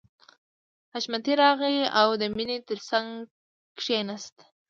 حشمتي راغی او د مینې تر څنګ کښېناست